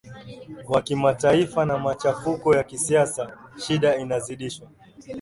wa kimataifa na machafuko ya kisiasa Shida inazidishwa